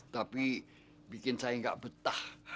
tapi bikin saya nggak betah